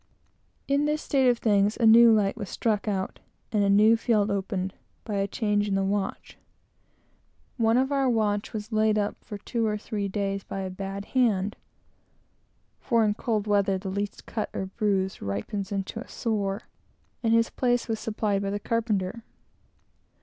In this state of things, a new light was struck out, and a new field opened, by a change in the watch. One of our watch was laid up for two or three days by a bad hand, (for in cold weather the least cut or bruise ripens into a sore,) and his place was supplied by the carpenter.